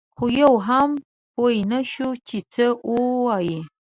خو یو هم پوی نه شو چې څه یې ووې.